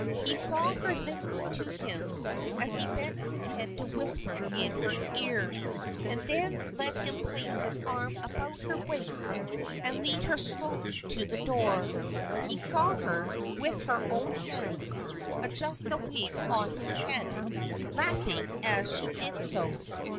He saw her listening to him as he bent his head to whisper in her ear, and then let him place his arm about her waist and lead her slowly to the door. He saw her, with her own hands, adjust the wig on his head, laughing as she did so!